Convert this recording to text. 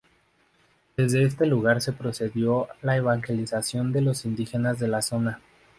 Desde este lugar se procedió a la evangelización de los indígenas de la zona.